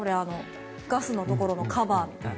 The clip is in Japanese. ガスのところのカバーみたいな。